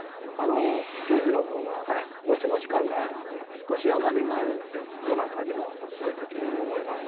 久寿のほうはもちもち感があり、少し甘みがあるので、どなたにもお勧めできると思います。